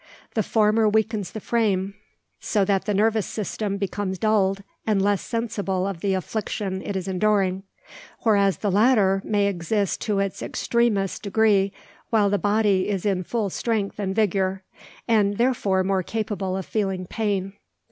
The former weakens the frame, so that the nervous system becomes dulled, and less sensible of the affliction it is enduring; whereas the latter may exist to its extremest degree, while the body is in full strength and vigour, and therefore more capable of feeling pain.